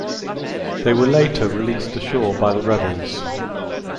They were later released ashore by the rebels.